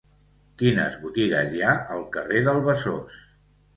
Quines botigues hi ha al carrer del Besòs?